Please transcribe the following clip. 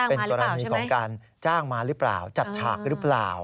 เป็นกรณีของการจ้างมาหรือเปล่าจัดฉากหรือเปล่า